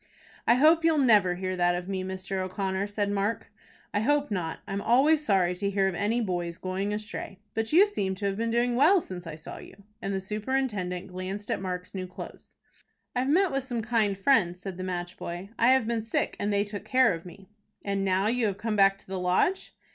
"I hope you'll never hear that of me, Mr. O'Connor," said Mark. "I hope not. I'm always sorry to hear of any boy's going astray. But you seem to have been doing well since I saw you;" and the superintendent glanced at Mark's new clothes. "I've met with some kind friends," said the match boy. "I have been sick, and they took care of me." "And now you have come back to the Lodge."